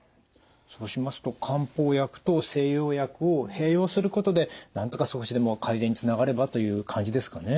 そうしますと漢方薬と西洋薬を併用することでなんとか少しでも改善につながればという感じですかね。